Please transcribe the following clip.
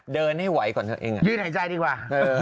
เดินให้ไหวก่อนเธอเองยืนหายใจดีกว่า